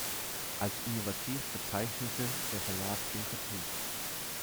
Als innovativ bezeichnete der Verlag den Vertrieb.